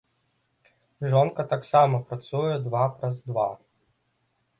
Жонка таксама працуе два праз два.